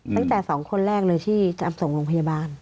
ตั้งแต่๒คนแรกเลยที่จะส่งโรงพยาบาล